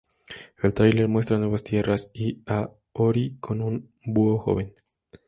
El tráiler muestra nuevas tierras, y a Ori con un búho joven.